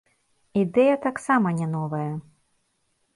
Ідэя таксама не новая.